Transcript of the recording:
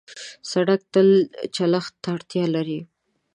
سړک تل چلښت ته اړتیا لري.